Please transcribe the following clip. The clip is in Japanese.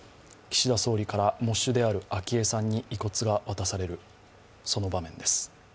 岸田総理から喪主である昭恵さんに遺骨が渡される場面です。